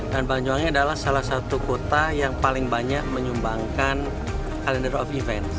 dan banyuwangi adalah salah satu kota yang paling banyak menyumbangkan kalender of event